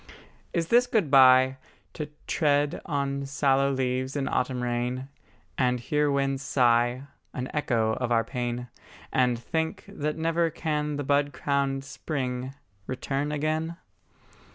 Is this good bye, To tread on sallow leaves in autumn rain, And hear winds sigh An echo of our pain; And think that never can the bud crowned spring Return again?